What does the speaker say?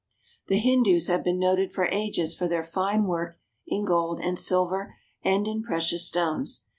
The Hindus have been noted for ages for their fine work in gold and silver and in precious stones.